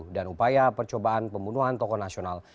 dan upaya percobaan pembunuhan toko nasional